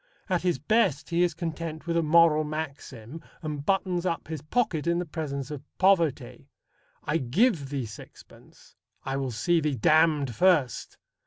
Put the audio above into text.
At his best he is content with a moral maxim, and buttons up his pocket in the presence of poverty. "I give thee sixpence! I will see thee damned first!"